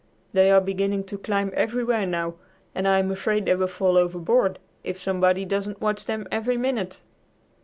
They are beginning to climb everywhere now, and I am afraid they will fall overboard if somebody doesn't watch them every minute!"